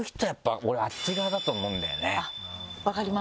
分かります。